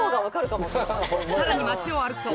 さらに街を歩くと